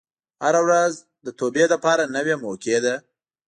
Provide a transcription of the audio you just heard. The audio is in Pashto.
هره ورځ د توبې لپاره نوې موقع ده.